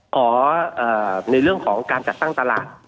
ในเรื่องของการจัดตั้งตลาด